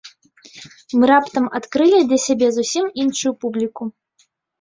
Мы раптам адкрылі для сябе зусім іншую публіку.